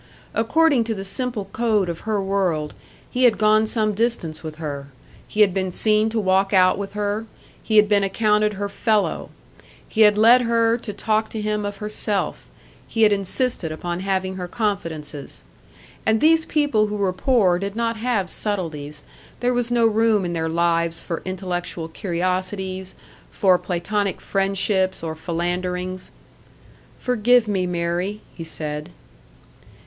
According to the simple code of her world, he had gone some distance with her; he had been seen to walk out with her, he had been accounted her "fellow." He had led her to talk to him of herself he had insisted upon having her confidences. And these people who were poor did not have subtleties, there was no room in their lives for intellectual curiosities, for Platonic friendships or philanderings. "Forgive me, Mary!" he said.